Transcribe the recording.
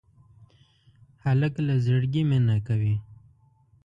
هلک له زړګي مینه کوي.